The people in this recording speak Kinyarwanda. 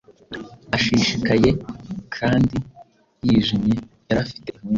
Ashishikaye kandi yijimye yari afite impungenge